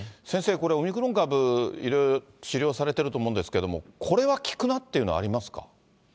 先生、これ、オミクロン株、いろいろ治療されていると思うんですけれども、これは効くなっていうのありますか？